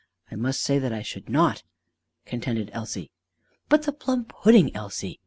"I must say that I should not," contended Elsie. "But the plum pudding, Elsie!"